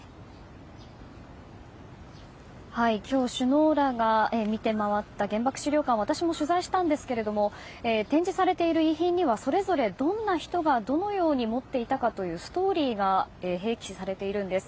今日、首脳らが見て回った原爆資料館を私も取材したんですが展示されている遺品にはそれぞれどんな人がどのように持っていたかというストーリーが併記されているんです。